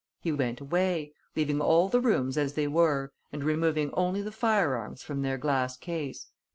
He went away, leaving all the rooms as they were and removing only the firearms from their glass case.